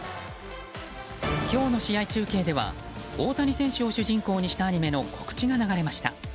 今日の試合中継では大谷選手を主人公にしたアニメの告知が流れました。